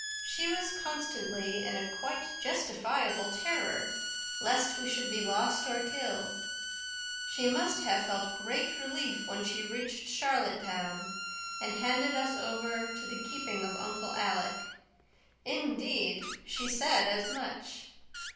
She was constantly in a quite justifiable terror lest we should be lost or killed; she must have felt great relief when she reached Charlottetown and handed us over to the keeping of Uncle Alec. Indeed, she said as much.